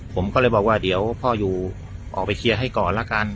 ผมก็เลยบอกว่าเดี๋ยวพ่ออยู่ออกไปเคลียร์ให้ก่อนละกัน